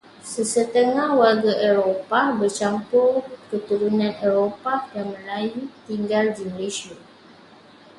Sesetengah warga Eropah bercampur keturunan Eropah dan Melayu tinggal di Malaysia.